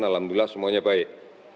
alhamdulillah semuanya baik